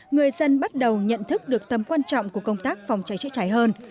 người dân bắt đầu nhận thức được tấm quan trọng của công tác phòng cháy cháy cháy hơn